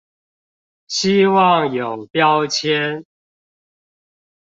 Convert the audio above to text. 希望有標籤